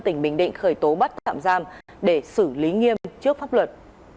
tỉnh bình định khởi tố bắt tạm giam để xử lý nghiêm trước pháp luật